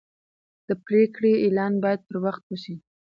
د پریکړې اعلان باید پر وخت وشي.